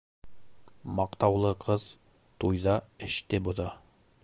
Маҡтаулы ҡыҙ туйҙа эште боҙа.